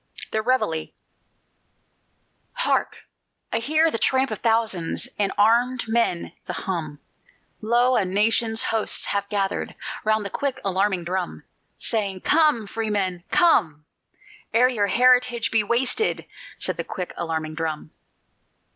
THE REVEILLE Hark! I hear the tramp of thousands, And of armèd men the hum; Lo! a nation's hosts have gathered Round the quick alarming drum, Saying: "Come, Freemen, come! Ere your heritage be wasted," said the quick alarming drum.